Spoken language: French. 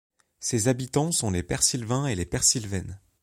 Ses habitants sont les Persylvains et Persylvaines.